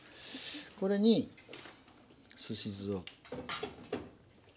これにすし酢を。